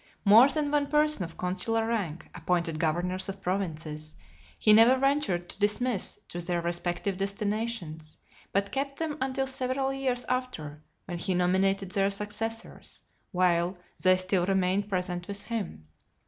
More than one person of consular rank, appointed governors of provinces, he never ventured to dismiss to their respective destinations, but kept them until several years after, when he nominated their successors, while they still remained present with him.